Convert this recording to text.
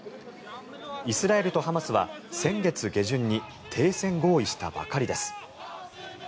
イスラエルとハマスは先月下旬に停戦合意したばかりです。